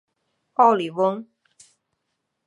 奥里翁。